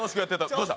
どうした？